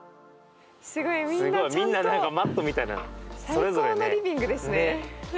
最高のリビングですね。ね！